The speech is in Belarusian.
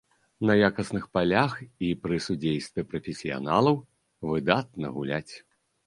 На якасных палях і пры судзействе прафесіяналаў выдатна гуляць!